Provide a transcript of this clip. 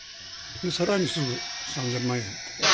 さらにすぐ３０００万円。